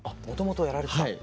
もともとやられてた。